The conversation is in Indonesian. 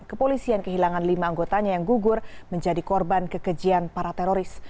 kepolisian kehilangan lima anggotanya yang gugur menjadi korban kekejian para teroris